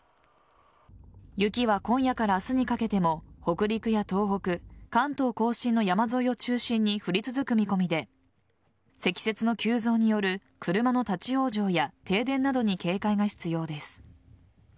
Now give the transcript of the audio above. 雪は今夜から明日にかけても北陸や東北関東甲信の山沿いを中心に降り続く見込みで積雪の急増による車の立ち往生や停電などに警戒が必要です。